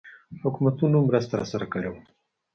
حکومتونو مرسته راسره کړې وه.